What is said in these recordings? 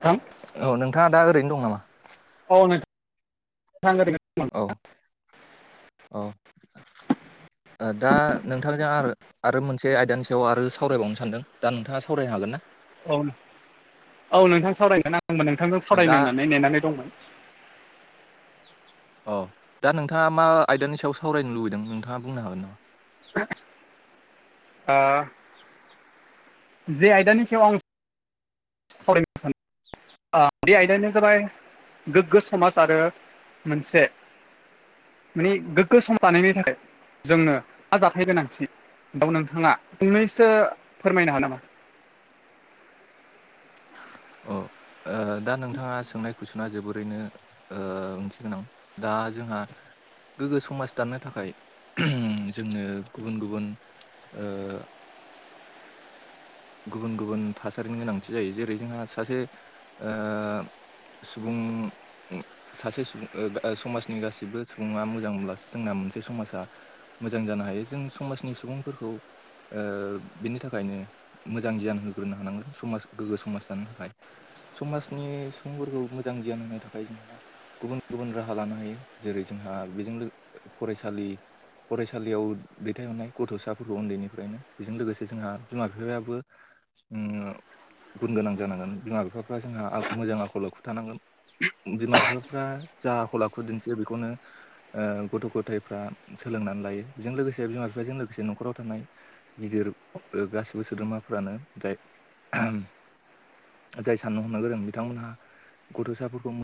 थां औ नोंथाङा दा ओरैनो दं नामा? औ नोंगौ नोंथां औ औ दा नोंथांजों आरो आरो मोनसे आयदानि सायाव आरो सावरायबावनो सानदों दा नोंथाङा सावरायनो हागोन ना औ औ नोंथां सावरायगोन आंबो नोंथांजों दा सावरायनो होननानै नेनानै दंमोन अ दा नोंथाङा मा आयदानि सायाव सावरायनो लुबैदों नोंथाङा बुंनो हागोन नामा अ जे आयदानि सायाव आं सावरायनो सानो बे आयदायानो जाबाय गोग्गो समाज आरो मोनसे माने गोग्गो सम दानायनि थाखाय जोंनो मा जाथाय गोनांथि बेयाव नोंथाङा फंनैसो फोरमायनो होनो नामा अ दा नोंथाङा सोंनाय कुइसन सना जोबोरैनो ओंथि गोनां दा जोंहा गोग्गो समाज दानानो थाखाय जोंनो गुबुन गुबुन ओ गुबुन गुबुन थासारिनि गोनांथि जायो जेरै जोंहा सासे ओ सुबुं ओम सासे सुबुं ओ समाजनि गासैबो सुबुङा मोजां मोनब्लासो जोंना मोनसे समाजा मोजां जानो हायो जों समाजनि सुबुंफोरखौ बिनि थाखायनो मोजां गियान होग्रोनो हानांगोन समाज गोग्गो समाज दानो थाखाय समाजनि सुबुंफोरखौ मोजां गियान होनो थाखाय जोंहा गुबुन गुबुन राहा लानो हायो जेरै जोंहा बेजों लो फरायसालि फरायसालियाव दैथायहरनाय गथ'साफोरखौ उन्दैनिफ्रायनो बेजों लोगोसे जोंहा बिमा बिफायाो बो गुन गोनां जानांगोन बिमा बिफाफ्रा जोंहा मोजां आखल आखु थानांगोन बिमा बिफाफ्रा जा हलाखु दिन्थियो बेखौनो गथ' गथायफ्रा सोलोंनानै लायो बेजों लोगोसे बिमा बिफाजों लोगोसे न'खराव थानाय गिदिर गासिबो सोद्रोमाफ्रानो दाय जाय साननो हमनो गोरों बिथांमोनहा गथ'साफोरखौ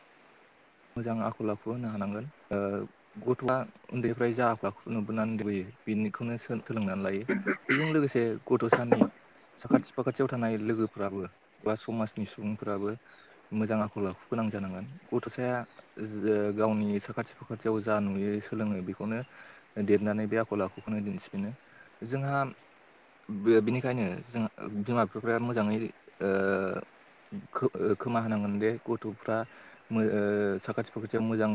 मोजां आखल आखु होनो हानांगोन गथ'आ उन्दैफ्राय जा आख आखुखौ नुबोनानै बैयो बेनिखौनो सो थोलोंनानै लायो बेजों लोगोसे गथ'सानि साखाथि फाखाथियाव थानाय लोगोफोराबो बा समाजनि सुबुंफोराबो मोजां आखल आखु गोनां जानांगोन गथ'साया जो गावनि साखाथि फाखाथियाव जा नुयो सोलोङो बेखौनो देरनानै बे आखल आखुखौनो दिन्थिफिनो जोंहा बे बिनिखायनो जों बिमा बिफाफ्रा मोजाङै ओ खो-खोमा होनांगोन दे गथ'फ्रा मो ओ साखाथि फाखाथियाव मोजां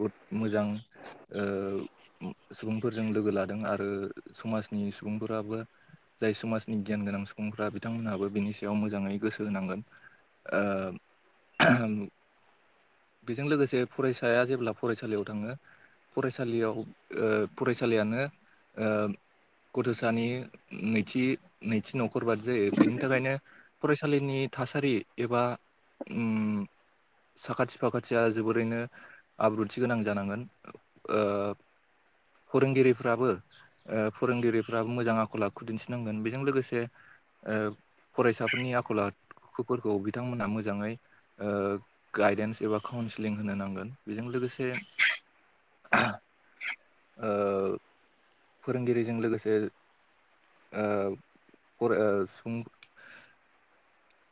गुद मोजां ओ सुबुंफोरजों लोगो लादों आरो समाजनि सुबुंफोराबो जाय समाजनि गियान गोनां सुबुंफ्रा बिथांमोनहाबो बिनि सायाव मोजाङै गोसो होनांगोन। ओ बिजों लोगोसे फरायसाया जेब्ला फरायसालियाव थाङो फरायसालियाव ओ फरायसालियानो ओ गथ'सानि नैथि नैथि न'खर बादि जायो बेनि थाखायनो फरायसा सालिनि थासारि एबा ओम साखाथि फाखाथिया जोबोरैनो आब्रुथि गोनां जानांगोन। ओ फोरोंगिरिफ्राबो ओ फोरोंगिरिफ्राबो मोजां आखल आखु दिन्थिनांगोन बेजों लोगोसे ओ फरायसाफोरनि आखल आखुफोरखौ बिथांमोनहा मोजाङै ओ गायदेन्स एबा काउन्सिलिं होनो नांगोन बेजों लोगोसे [inaudible] ओ फोरोंगिरिजों लोगोसे ओ [unintelligible]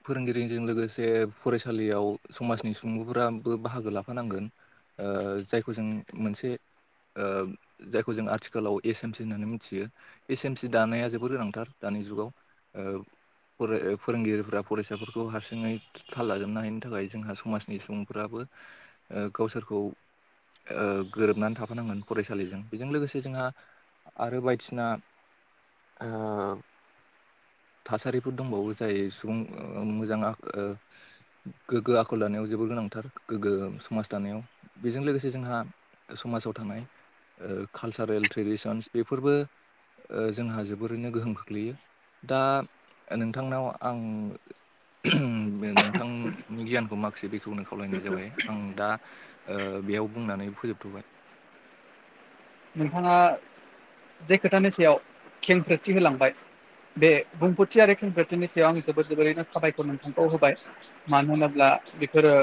फोरोंगिरिजों लोगोसे फरायसालियाव समाजनि सुबुंफोराबो बाहागो लाफानांगोन। ओ जायखौ जों मोनसे ओ जायखौ जों आथिखालाव एस एम सि होननानै मिथियो। एस एम सि दानाया जोबोर गोनांथार दानि जुगाव। ओ फोरो-फोरोंगिरिफोरा फरायसाफोरखौ हारसिङै थाल लाजोबनो हायनि थाखाय जोंहा समाजनि सुबुंफ्राबो ओ गावसोरखौ ओ गोरोबनानै थाफानांगोन फरायसालिजों बेजों लोगोसे जोंहा आरो बायदिसिना ओ थासारिफोर दंबावो जाय सुबुं ओ मोजां आ-ओ गोग्गो आखल दानायाव जोबोर गोनांथार गोग्गो समाज दानायाव बेजों लोगोसे जोंहा समाजाव थानाय ओ कालसारेल ट्रेडिसनस बेफोरबो ओ जोंहा जोबोरैनो गोहोम खोख्लैयो। दा नोंथांनाव आं नोंथांनि गियानखौ माखासे बेखेवनो खावलायनाय जाबाय आं दा ओ बेयाव बुंनानै फोजोबथ'बाय। नोंथाङा जे खोथानि सायाव खेंफोरथि होलांबाय बे बुंफोरथि आरो खेंफोर थिनि सायाव आं जोबोद जोबोरैनो साबायखर नोंथांखौ होबाय मानो होनोब्ला बेफोरो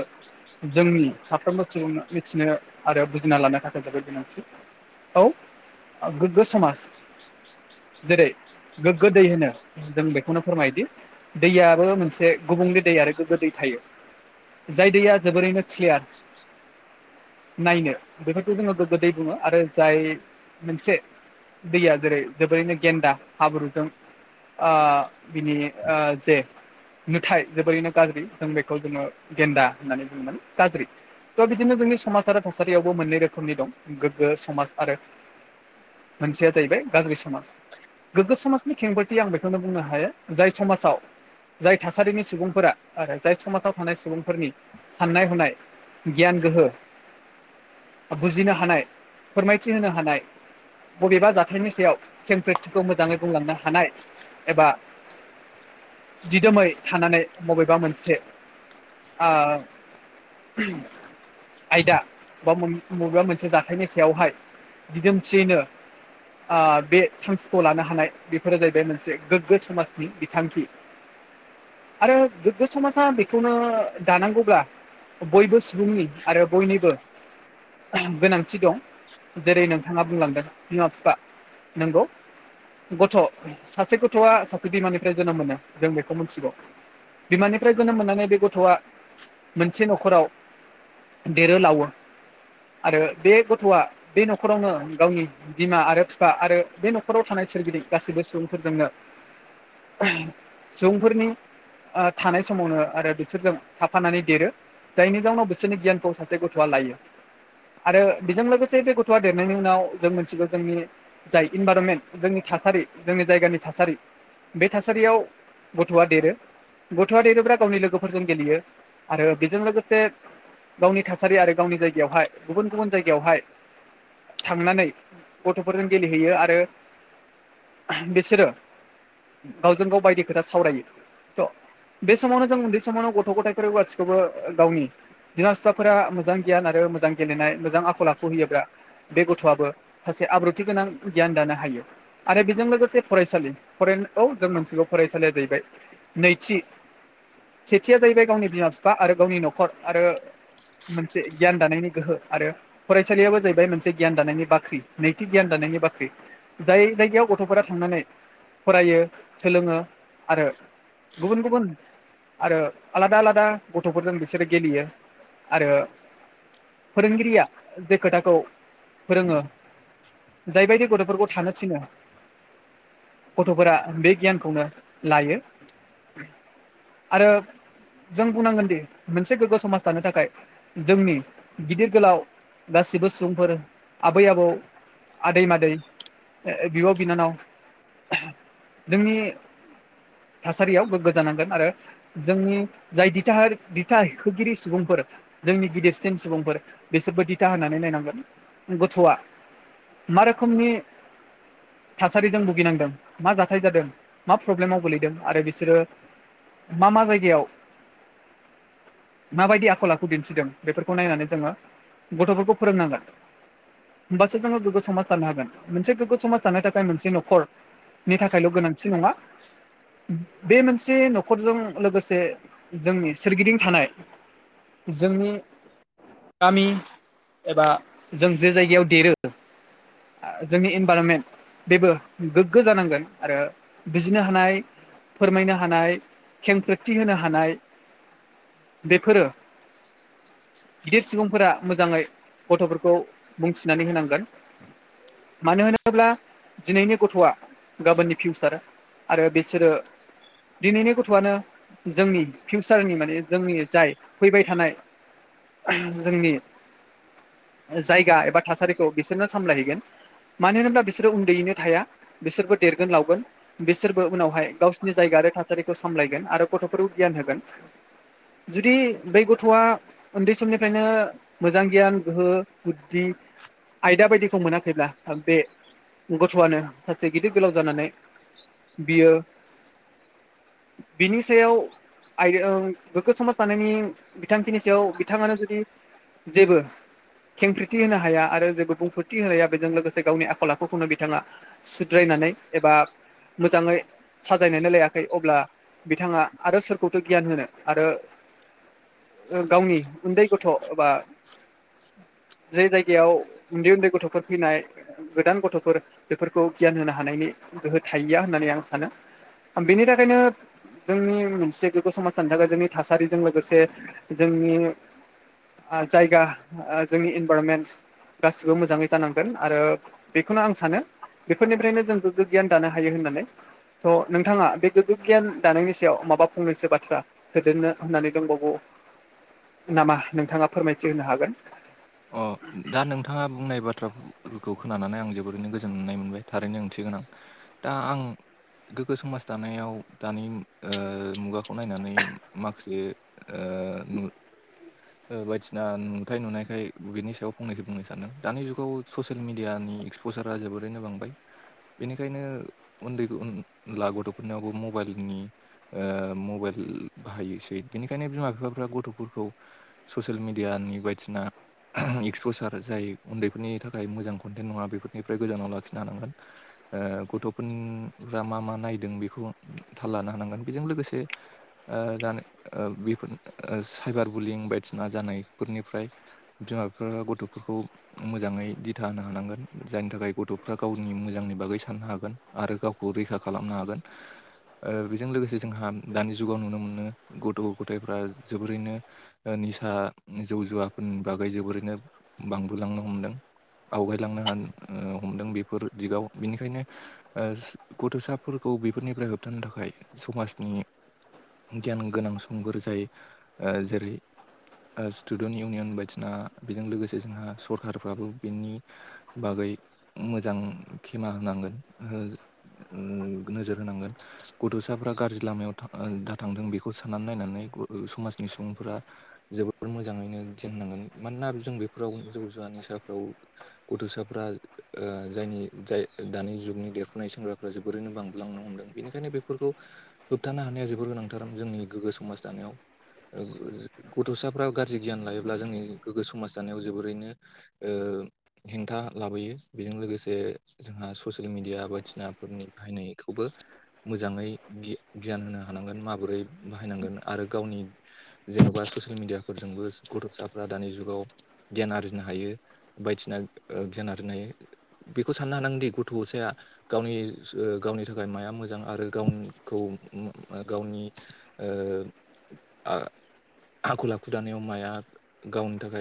जोंनि साफ्रोमबो सुबुंङा मिथिनो आरो बुजिना लानो थाखाय जोबोद गोनांथि। औ गोग्गो समाज जेरै गोग्गो दै होनो जों बेखौनो फोरमायोदि दैयाबो मोनसे गुबुंले दै आरो गोग्गो दै थायो। जाय दैया जोबोरैनो क्लियार नायनो बेफोरखौ जोङो गोगोद दै बुङो आरो जाय मोनसे दैया जेरै जोबोरैनो गेन्दा हाब्रुजों ओ बिनि ओ जे नुथाय जोबोरैनो गाज्रि जों बेखौ जोङो गेन्दा होननानै बुङोमोन गाज्रि। त' बिदिनो जोंनि समाज आरो थासारियावबो मोननै रोखोमनि दं गोग्गो समाज आरो मोनसेया जाहैबाय गाज्रि समाज। गोग्गो समाजनि खेंबथि आं बेखौनो बुंनो हायो जाय समाजाव जाय थासारिनि सुबुंफोरा आरो जाय समाजाव थानाय सुबुंफोरनि साननाय हनाय गियान गोहो बुजिनो हानाय फोरमायथि होनो हानाय। बबेबा जाथायनि सायाव खेंफ्रोरथिखौ मोजांङै बुंलांनो हानाय एबा दिदोमै थानानै बबेबा मोनसे आयदा बा मबेबा मोनसे जाथायनि सा बेवहाय दिदोमथियैनो ओ बे थांखिखौ लानो हानाय बेफोरो जाहैबाय मोनसे गोग्गो समाजनि बिथांखि आरो गोग्गो समाजा बेखौनो दानांगौब्ला बयबो सुबुंनि आरो बयनिबो गोनांथि दं जेरै नोंथांङा बुंलांगोन बिमा बिफा नंगौ गथ' सासे गथ'आ सासे बिमानिफ्राय जोनोम मोनो जों बेखौ मिथिगौ। बिमानिफ्राय जोनोम मोननानै बे गथ'आ मोनसे न'खराव देरोलावो आरो बे गथ'आ बे नखर न'खरावनो गावनि बिमा आरो बिफा आरो बे न'खराव थानाय सोरगिदिं गासैबो सुबुंफोरजोंनो सुबुंफोरनि थानाय समावनो आरो बिसोरजों थाफानानै देरो जायनि जाउनाव बिसोरनि गियानखौ सासे गथ'आ लायो आरो। बेजों लोगोसे बे गथ'आ देरनायनि उनाव जों मिथिगौ जोंनि जाय इनभाइरनमेन्ट जोंनि थासारि जोंनि जायगानि थासारि बे थासारियाव गथ'आ देरो। गथ'आ देरोबा गावनि लोगोफोरजों गेलेयो आरो बेजों लोगोसे गावनि थासारि आरो गावनि जायगायावहाय गुबुन गुबुन जायगा बेवहाय थांनानै गथ'फोरजों गेलेहैयो आरो बिसोरो गावजों गाव बायदि खोथा सावरायो। थ' बे समावनो जों उन्दै समावनो गथ' गथायाइफोर गासिखौबो गावनि। बिमा सिख्लाफोरा मोजां गियान आरो मोजां गेलेनाय मोजां आखल होयोब्ला बे गथ'आबो सासे आब्रुथि गोनां गियान दानो हायो आरो। जों लोगोसे फरायसालि फ औ जों मोनथिगौ फरायसालिया जाहैबाय नैथि सेथिया जाहैबाय गावनि बिमा बिफा आरो गावनि न'खर आरो मोनसे गियान दानायनि गोहो आरो फरायसालियाबो जाहैबाय मोनसे गियान दा--नायनि बाख्रि नैथि गियान दानायनि बाख्रि जाय जायगायाव गथ'फोरा थांनानै फरायो सोलोंङो आरो गुबुन गुबुन आरो आलादा आलादा गथ'फोरजों बिसोरो गेलेयो आरो। फोरोंगिरिया जे खोथाखौ फोरोंङो जायबायदि गथ'फोरखौ थानो थिनो। गथ'फोरा बे गियानखौनो लायो। आरो जों बुंनांगोन दि मोनसे गोग्गो समाज दानो थाखाय जोंनि गिदिर गोलाव गासिबो सुबुंफोर आबै आबौ आदै मादै बिब' बिनानाव जोंनि थासारियावबोग्गोजानांगोन आरो जोंनि जाय दिथा होगिरि सुबुंफोर जोंनि गिदिरसिन सुबुंफोर बिसोरबो दि दिथा होननानै नायनांगोन गथ'आ मा रोखोमनि। थासारिजों भुगिनांदों मा जाथाय जादों मा प्रब्लेमाव गोलैदों आरो बिसोरो मा मा जायगायाव माबायदि आखल आखु दिन्थिदों बेफोरखौ नायनानै जोंङो गथ'फोरखौ फोरोंनांगोन। होमबासो जोंङो गोगगो समाज थानो हागोन मोनसे गोग्गो समाज दानो थाखाय मोनसे न'खर नि थाखायल' गोनांथि नंङा बे मोनसे न'खरजों लोगोसे जोंनि सोरगिदिं थानाय जोंनि गामि एबा जों जे जायगायाव देरो जोंनि इनभाररमेन्ट बेबो गोग्गो जानांगोन आरो बिजिनो हानाय। फोरमायनो हानाय खेंखोथि होनो हानाय बेफोरो [unintelligible] गिदिर सुबुंफोरा मोजाङै गथ'फोरखौ बुंथिनानै होनांगोन। मानो होनोब्ला। दिनैनि गथ'आ गाबोननि फिउसार आरो बिसोरो दिनैनि गथ'आनो जोंनि फिउसारनि माने जोंनि जाय फैबाय थानाय। जोंनि जायगा एबा थासारिखौ बिसोरनो सामलायहैगोन मानो होनोब्ला बिसोरो उन्दैयैनो थाया बिसोरबो देरगोन लावगोन। बिसोरबो उनावहाय गावसिनि जायगा आरो थासारिखौ सामलायगोन आरो गथ'फोरखौ गियान होगोन। जुदि बै गथ'आ उन्दै समनिफ्रायनो मोजां गियान गोहो बुद्धि आयदा बायदिखौ मोनाखैब्ला बे गथ'आनो सासे गिदिर गोलाव जानानै बियो बिनि सायाव आय गोगो समाज दानायनि बिथांखिनि सायाव बिथाङानो जुदि जेबो खें फ्रिथि होनो हाया आरो जेबो बुंफोरथि होन हाया बेजों लोगोसे गावनि आखल आखुखौनो बिथाङा सुद्रायनानै एबा मोजाङै साजायनानै लायाखै अब्ला बिथाङा आरो सोरखौथ' गियान होनो आरो गावनि उन्दै गथ' एबा जे जायगायाव उन्दै उन्दै गथ'फोर फैनाय गोदान गथ'फोर बेफोरखौ गियान होनो हानायनि गोहो थाहैया होननानै आं सानो। ओ बिनि थाखायनो जोंनि मोनसे गोग्गो समाज जानो थाखाय जोंनि थासारिजों लोगोसे जोंनि ओ जायगा जोंनि इनभाररमेन्ट गासिबो मोजाङै जानांगोन। आरो बेखौनो आं सानो बेफोरनिफ्रायनो जों गोग्गो गियान दानो हायो होननानै। थ' नोंथाङा बे गोग्गो गियान दानायनि सायाव माबा खंनोसो बाथ्रा सोदेरनो होननानै दंबावो नामा नोंथाङा फोरमायथि होनो हागोन। अ दा नोंथाङा बुंनाय बाथ्राफोरखौ खोनानानै आं जोबोरैनो गोजोननाय मोनबाय थारैनो ओंथिगोन। दा आं गोग्गो समाज दानायाव दानि ओ मुगाखौ नायनानै माखासे ओ बायदिना नुथ नुनायखाय बिनि सायाव फंनैसो बुंनो सानदों। दानि जुगाव ससियेल मिडियानि एक्सपसारा जोबोरैनो बांबाय। बेनिखायनो उन्दै उनला गथ'फोरनावबो मबाइलनि ओ मबाइल बाहायोसै बिनिखायनो बिमा बिफाफ्रा गथ'फोरखौ ससियेल मिडियानि बायदिसिना एक्सपसार जाय उन्दैफोरनि थाखाय मोजां कन्टेन्ट नङा बेफोरनिफ्राय गोजानाव लाखिनो हानांगोन। ओ गथ'फोरा मा मा नायदों बेखौ थाल लानो हानांगोन। बेजों लोगोसे जानाय बेफोर साइबार बुलिं बायदिसिना जानायफोरनिफ्राय बिमा बिफा गथ'फोरखौ मोजाङै दिथा होनो हानांगोन जायनि थाखाय गथ'फ्रा गावनि मोजांनि बागै साननो हागोन। आरो गावखौ रैखा खालामनो हागोन। ओ बेजों लोगोसे जोंहा दानि जुगाव नुनो मोनो गथ' गथायफ्रा जोबोरैनो ओ निसा जौ जुवाफोरनि बागै जोबोरैनो बांबोलांनो हमदों। आवगायलांनो हान हमदों बेफोर दिगाव बेनिखायनो ओ गथ'साफोरखौ बेफोरनिफ्राय होबथानो थाखाय समाजनि गियान गोनां सुबुंमफोर जाय ओ जेरै ओ स्टुडेन्ट इउनियन बायदि दा बेजों लोगोसे जोंहा सरखारफ्राबो बिनि बागै मोजां खेमा होनांगोन ओ। ओ नोजोर होनांगोन। गथ'साफोरा गाज्रि लामायाव था आ दा थांदों बेखौ साननानै नायनानै ओ समाजनि सुबुंफोरा जोबोर मोजाङैनो गियान नांगोन मानोना जों बेफोराव जौ जुवानि निसाफ्राव गथ'साफ्रा ओ जायनि जाय दानि जुगनि देरफुनाय सेंग्राफ्रा जोबोरैनो बांबोलांनो हमदों। बेनिखायनो बेफोरखौ होबथानो हानाया जोबोर गोनांथार जोंनि गोग्गो समाज दानायाव। ओ गथ'साफ्रा गाज्रि गियान लायोब्ला जोंनि गोग्गो समाज जानायाव जोबोरैनो ओ हेंथा लाबोयो बेजों लोगोसे जोंहा स ससियेल मिडिया बायदिसिनाफोरनि बाहायनायखौबो मोजाङै गि गियान होनो हानांगोन माबोरै बाहायनांगोन आरो गावनि जेन'बा ससियेल मिडियाफोरजोंबो गथ'साफ्रा दानि जुगाव गियान आरजिनो हायो बायदिसिना ओ गियान आरजिनो हायो। बेखौ साननो हानांगोनदि गथ' साया। गावनि ओ गावनि थाखाय माया मोजां आरो गावखौ ओ गावनि ओ आ आखल आखु दानायाव माया गावनि थाखाय